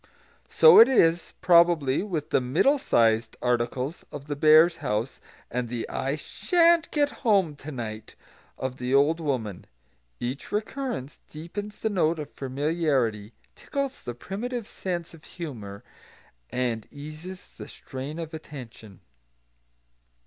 So it is, probably, with the "middle sized" articles of the bears' house and the "and I sha'n't get home to night" of the old woman. Each recurrence deepens the note of familiarity, tickles the primitive sense of humour, and eases the strain of attention.